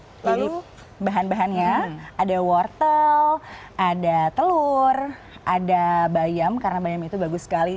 jadi bahan bahannya ada wortel ada telur ada bayam karena bayam itu bagus sekali